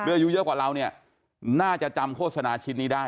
อายุเยอะกว่าเราเนี่ยน่าจะจำโฆษณาชิ้นนี้ได้